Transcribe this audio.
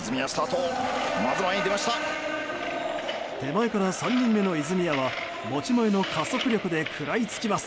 手前から３人目の泉谷は持ち前の加速力で食らいつきます。